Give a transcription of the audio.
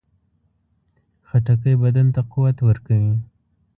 خټکی بدن ته قوت ورکوي.